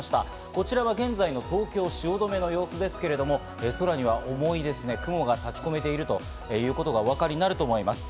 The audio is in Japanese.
こちらは現在の東京・汐留の様子ですが、空には重い雲が立ち込めているということがお分かりになると思います。